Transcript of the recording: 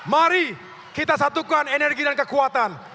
mari kita satukan energi dan kekuatan